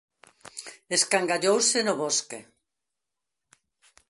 escangallouse no bosque.